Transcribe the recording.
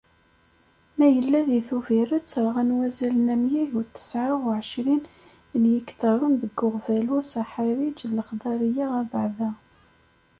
Mayella di Tubiret, rɣan wazal n amyag u tesεa u εecrin n yiktaren deg Uɣbalu, Saḥariǧ d Lexdariya abeɛda.